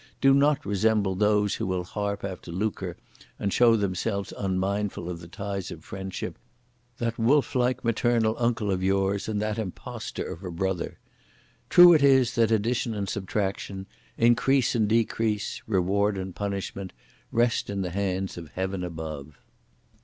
Do not resemble those who will harp after lucre and show themselves unmindful of the ties of relationship: that wolflike maternal uncle of yours and that impostor of a brother! True it is that addition and subtraction, increase and decrease, (reward and punishment,) rest in the hands of Heaven above!